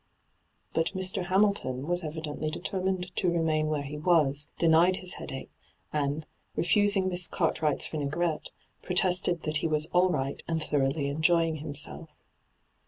But ' Mr. Hamilton ' was evidently deter mined to remain where he was : denied his headache, and, refusing Miss Cartwright's vinaigrette, protested that he was 'all right, and thoroughly enjoying himself.'